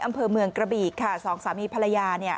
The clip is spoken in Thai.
อำเภอเมืองกระบีค่ะสองสามีภรรยา